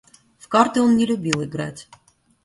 В карты он не любил играть.